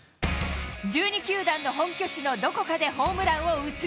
１２球団の本拠地のどこかでホームランを打つ。